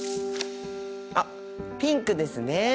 あっピンクですね。